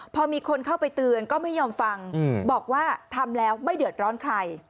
พอมีคนเข้าไปเตือนก็ไม่ยอมฟังบอกว่าทำแล้วไม่เดือดร้อนใคร